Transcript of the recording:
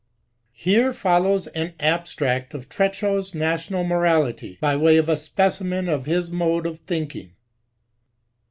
Here follows an abstract of Treschow^s Nsr tional Morality, by way of a specimen of his mode of thinking.